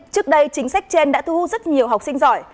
trước đây chính sách trên đã thu rất nhiều học sinh giỏi